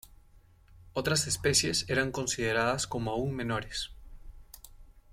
Otras "especies" eran consideradas como aún menores.